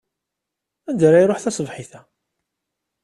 Anda ara iṛuḥ tasebḥit-a?